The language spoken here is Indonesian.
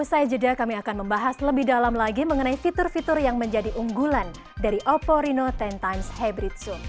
usai jeda kami akan membahas lebih dalam lagi mengenai fitur fitur yang menjadi unggulan dari oppo reno sepuluh hybrid zoom